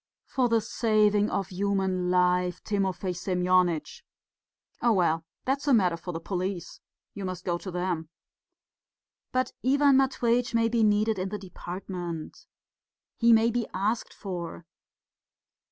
"For the saving of human life, Timofey Semyonitch." "Oh, well, that's a matter for the police. You must go to them." "But Ivan Matveitch may be needed in the department. He may be asked for."